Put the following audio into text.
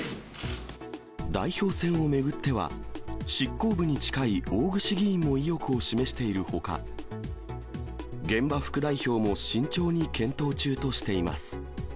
代表選を巡っては、執行部に近い大串議員も意欲を示しているほか、玄葉副代表も慎重に検討中としています。